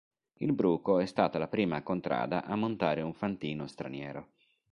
Il Bruco è stata la prima contrada a montare un fantino straniero.